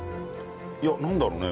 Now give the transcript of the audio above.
いやなんだろうね。